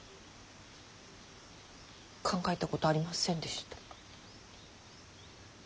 考えたことありませんでした。